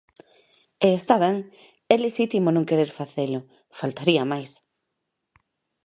E está ben, é lexítimo non querer facelo, ¡faltaría máis!